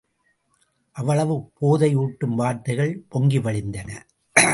அவ்வளவு போதை ஊட்டும் வார்த்தைகள் பொங்கிவழிந்தன.